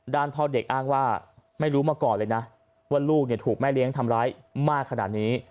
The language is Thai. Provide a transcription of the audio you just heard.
พ่อเด็กอ้างว่าไม่รู้มาก่อนเลยนะว่าลูกถูกแม่เลี้ยงทำร้ายมากขนาดนี้